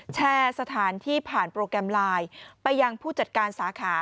แชร์สถานที่ผ่านโปรแกรมไลน์ไปยังผู้จัดการสาขา